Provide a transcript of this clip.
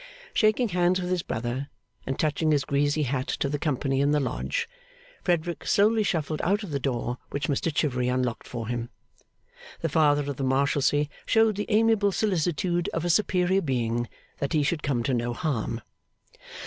Shaking hands with his brother, and touching his greasy hat to the company in the Lodge, Frederick slowly shuffled out of the door which Mr Chivery unlocked for him. The Father of the Marshalsea showed the amiable solicitude of a superior being that he should come to no harm.